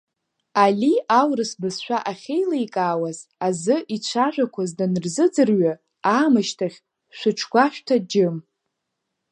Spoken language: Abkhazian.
Али аурыс бызшәа ахьеиликаауаз азы ицәажәақәоз данрызыӡырҩы аамышьҭахь шәыҽгәашәҭа џьым!